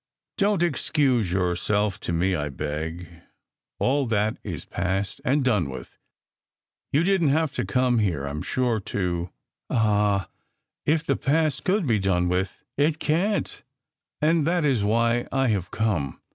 " Don t excuse yourself to me, I beg ! All that is past and done with. You didn t come here I m sure to " "Ah! If the past could be done with! It can t, and that is why I have come.